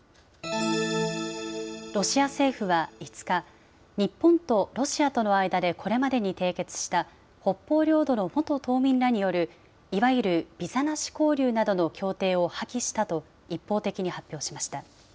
ロシア政府は５日、日本とロシアとの間でこれまでに締結した、北方領土の元島民らによるいわゆるビザなし交流などの協定を破棄したと、一方的に発表しました。